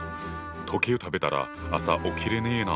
時計を食べたら朝起きれねえな。